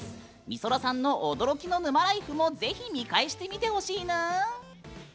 みそらさんの驚きの沼ライフもぜひ見返してみてほしいぬーん。